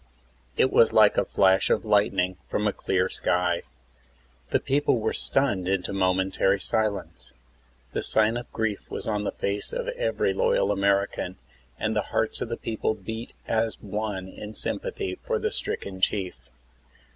It was like a flash of lightning from a clear sky. The people were stunned into momentary silence. The sign of grief was on the face of every loyal American, and the hearts of the people beat as one in sympathy for the stricken chief.